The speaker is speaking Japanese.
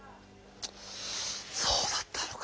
そうだったのか。